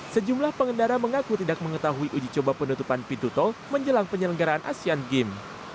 sejumlah pengendara mengaku tidak mengetahui uji coba penutupan pintu tol menjelang penyelenggaraan asean games